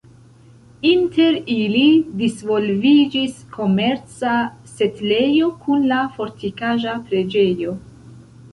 Inter ili disvolviĝis komerca setlejo kun la fortikaĵa preĝejo.